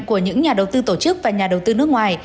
của những nhà đầu tư tổ chức và nhà đầu tư nước ngoài